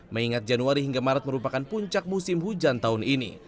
mengingat januari hingga maret merupakan puncak musim hujan tahun ini